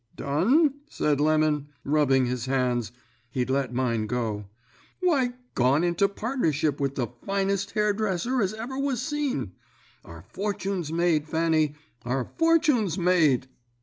"'Done?' said Lemon, rubbing his hands; he'd let mine go. 'Why, gone into partnership with the finest hairdresser as ever was seen. Our fortune's made, Fanny, our fortune's made!'